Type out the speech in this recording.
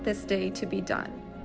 dia akan berhubung